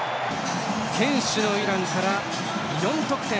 堅守のイランから４得点。